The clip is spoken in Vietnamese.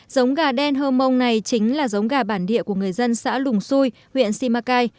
giống gà đen hơm mông này chính là giống gà bản địa của người dân xã lùng xui huyện simacai